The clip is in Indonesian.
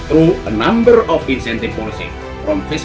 melalui beberapa polisi insentif